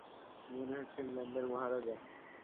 মনে হচ্ছে ইংল্যান্ডের মহারাজা!